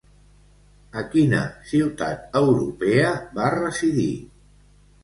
A quina ciutat europea va residir?